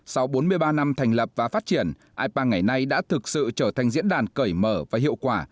sau bốn mươi ba năm thành lập và phát triển ipa ngày nay đã thực sự trở thành diễn đàn cởi mở và hiệu quả